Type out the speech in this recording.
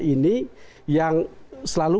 ini yang selalu